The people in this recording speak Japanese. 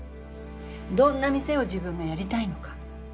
どんな店を自分がやりたいのか。